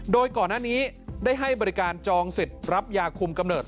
โดยก่อนหน้านี้ได้ให้บริการจองสิทธิ์รับยาคุมกำเนิด